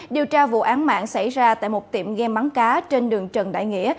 điều tra vụ án mạng xảy ra tại một tiệm gam bắn cá trên đường trần đại nghĩa